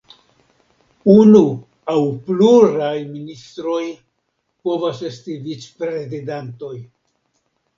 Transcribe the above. Unu aŭ pluraj ministroj povas esti vic-prezidantoj.